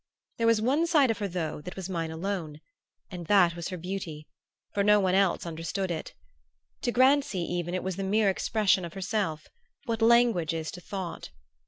There was one side of her, though, that was mine alone, and that was her beauty; for no one else understood it. To Grancy even it was the mere expression of herself what language is to thought.